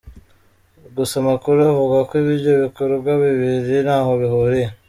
Gusa amakuru avuga ko ibyo bikorwa bibiri ntaho bihuriye.